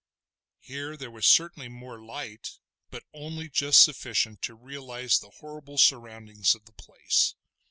Here there was certainly more light, but only just sufficient to realise the horrible surroundings of the place.